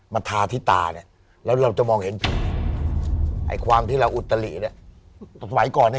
ทาที่ตาเนี่ยแล้วเราจะมองเห็นผีไอ้ความที่เราอุตลิเนี่ยสมัยก่อนเนี่ย